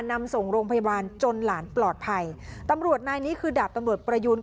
นำส่งโรงพยาบาลจนหลานปลอดภัยตำรวจนายนี้คือดาบตำรวจประยูน